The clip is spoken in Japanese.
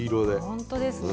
ほんとですね。